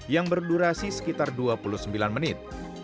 yang berdurasi sekitar dua puluh sembilan menit